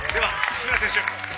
志村選手。